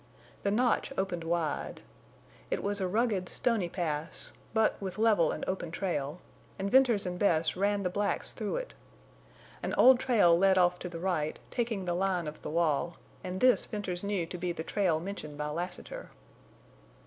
The Notch opened wide. It was a rugged, stony pass, but with level and open trail, and Venters and Bess ran the blacks through it. An old trail led off to the right, taking the line of the wall, and this Venters knew to be the trail mentioned by Lassiter.